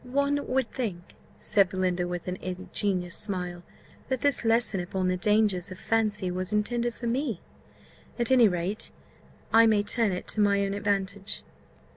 "One would think," said Belinda, with an ingenuous smile, "that this lesson upon the dangers of fancy was intended for me: at any rate, I may turn it to my own advantage!"